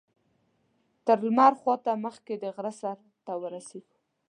تر لمر خاته مخکې د غره سر ته ورسېږو.